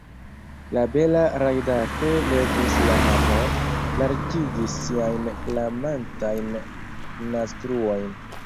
La bela rajdato levis la kapon, larĝigis siajn flamantajn naztruojn.